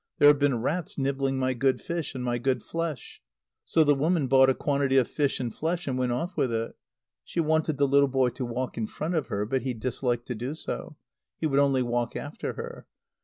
There have been rats nibbling my good fish and my good flesh." So the woman bought a quantity of fish and flesh and went off with it. She wanted the little boy to walk in front of her; but he disliked to do so. He would only walk after her.